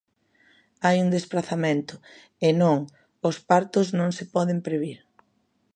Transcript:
Hai un desprazamento, e, non, os partos non se poden previr.